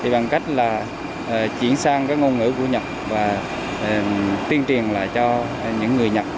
bằng cách là chuyển sang ngôn ngữ của nhật và tiên triền lại cho những người nhật